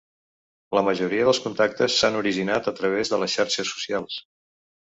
La majoria dels contactes s’han originat a través de les xarxes socials.